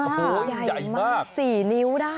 ๔นิ้วได้อ่ะคุณใช่ไหม